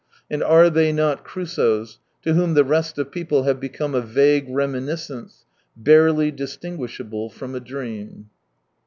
And are they not Crusoes, to whom the rest of people have become a vague reminiscence, barely dis tinguishable from a dream